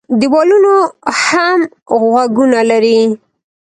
ـ دېوالونو هم غوږونه لري.